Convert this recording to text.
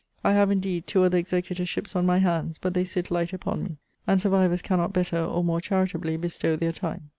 I have, indeed two other executorships on my hands; but they sit light upon me. And survivors cannot better or more charitably bestow their time.